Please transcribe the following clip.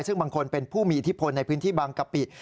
ซึ่งบางคนเป็นผู้มีอิทธิพลในพื้นที่บางกะปิ